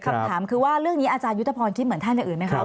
คำถามคือว่าเรื่องนี้อาจารยุทธพรคิดเหมือนท่านอื่นไหมครับ